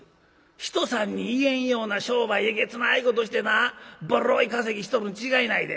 人さんに言えんような商売えげつないことしてなぼろい稼ぎしとるに違いないで。